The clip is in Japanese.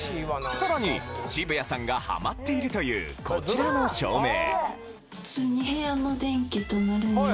さらに渋谷さんがハマっているというこちらの照明普通に。